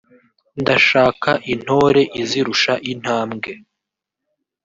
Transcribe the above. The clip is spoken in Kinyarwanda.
ndashaka Intore izirusha intambwe